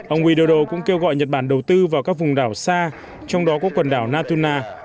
ông widodo cũng kêu gọi nhật bản đầu tư vào các vùng đảo xa trong đó có quần đảo natuna